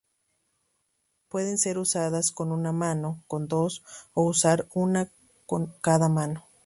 Pueden ser usadas con una mano, con dos, o usar una con cada mano.